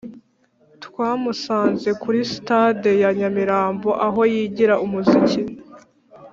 twamusanze kuri sitade ya nyamirambo aho yigira umuziki.